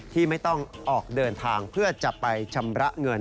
ที่ไม่ต้องออกเดินทางเพื่อจะไปชำระเงิน